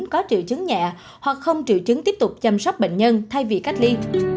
có triệu chứng nhẹ hoặc không triệu chứng tiếp tục chăm sóc bệnh nhân thay vì cách ly